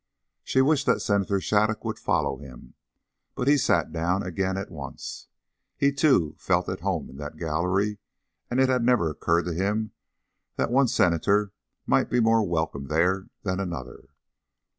She wished that Senator Shattuc would follow him, but he sat down again at once. He, too, felt at home in that gallery, and it had never occurred to him that one Senator might be more welcome there than another.